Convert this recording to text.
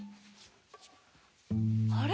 あれ？